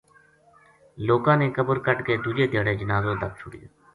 لوکاں نے قبر کڈھ کے دوجے دھیاڑے جنازو دَب چھُڑیو